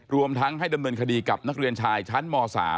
รวมทั้งให้ดำเนินคดีกับนักเรียนชายชั้นม๓